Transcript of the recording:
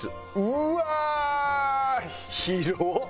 うわー！広っ！